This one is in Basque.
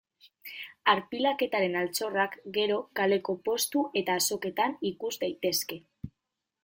Arpilaketaren altxorrak, gero, kaleko postu eta azoketan ikus daitezke.